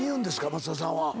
松田さんは。